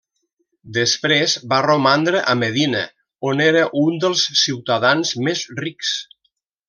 Després va romandre a Medina, on era un dels ciutadans més rics.